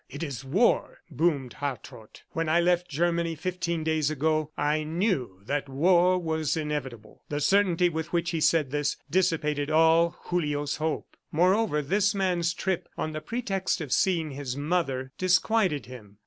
"It is war," boomed Hartrott. "When I left Germany, fifteen days ago, I knew that war was inevitable." The certainty with which he said this dissipated all Julio's hope. Moreover, this man's trip, on the pretext of seeing his mother, disquieted him.